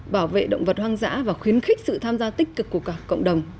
bảo vệ động vật hoang dã và khuyến khích sự tham gia tích cực của cả cộng đồng